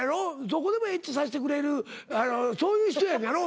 どこでもエッチさしてくれるそういう人なんやろ？